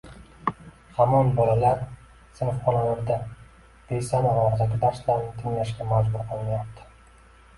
hamon bolalar sinfxonalarda besamar og‘zaki darslarni tinglashga majbur qilinyapti?